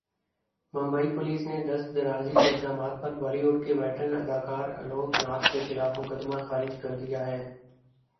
Mumbai police نے درست درازی کے الزامات پر بالی وڈ کے ویٹرن اداکار الوک ناتھ کے خلاف مقدمہ خارج کردیا ہے